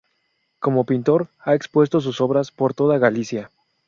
Como pintor ha expuesto sus obras por toda Galicia.